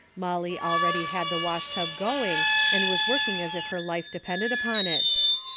Molly already had the washtub going and was working as if her life depended upon it.